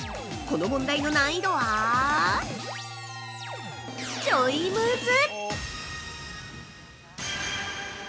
この問題の難易度はちょいムズ。